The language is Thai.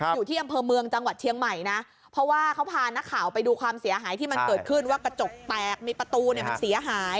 อยู่ที่อำเภอเมืองจังหวัดเชียงใหม่นะเพราะว่าเขาพานักข่าวไปดูความเสียหายที่มันเกิดขึ้นว่ากระจกแตกมีประตูเนี่ยมันเสียหาย